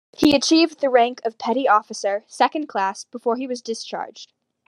He achieved the rank of Petty Officer Second Class before he was discharged.